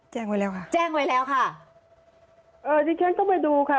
แจ้งไว้แล้วค่ะแจ้งไว้แล้วค่ะเอ่อดิฉันต้องไปดูค่ะ